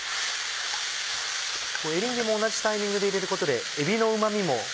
エリンギも同じタイミングで入れることでえびのうま味も。